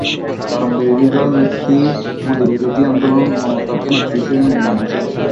কারণ, বিরোধী দল এখন মোদিবিরোধী আন্দোলনে মমতাকে নেত্রী হিসেবে মেনে নিয়েছেন।